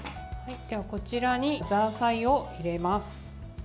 こちらにザーサイを入れます。